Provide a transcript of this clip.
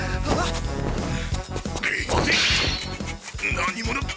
何者！